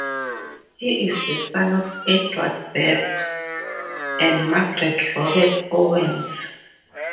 He is the son of Edward Bebb and Margaret Roberts Owens.